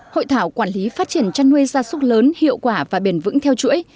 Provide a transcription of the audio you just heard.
hội thảo quản lý phát triển chăn nuôi gia súc lớn hiệu quả và bền vững theo chuỗi